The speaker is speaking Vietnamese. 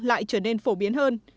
lại trở nên phổ biến hơn